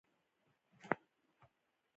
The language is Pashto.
چې تراوسه یې هم اغېز راسره دی.